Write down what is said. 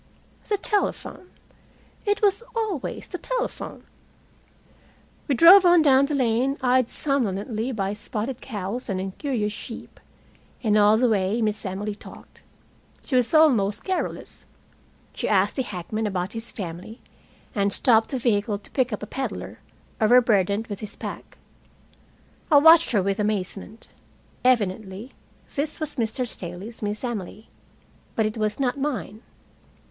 The telephone! It was always the telephone. We drove on down the lane, eyed somnolently by spotted cows and incurious sheep, and all the way Miss Emily talked. She was almost garrulous. She asked the hackman about his family and stopped the vehicle to pick up a peddler, overburdened with his pack. I watched her with amazement. Evidently this was Mr. Staley's Miss Emily. But it was not mine.